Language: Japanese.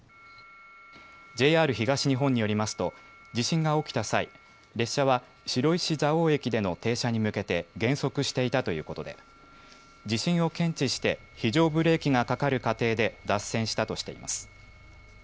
ＪＲ東日本によりますと地震が起きた際、列車は白石蔵王駅での停車に向けて減速していたということで地震を検知して非常ブレーキがかかる過程で脱線したとしています。